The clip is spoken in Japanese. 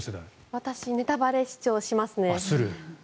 私、ネタバレ視聴します。